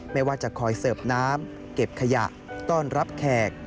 ไม่ว่าจะคอยเสิร์ฟน้ำเก็บขยะต้อนรับแขก